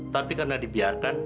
tapi karena dibiarkan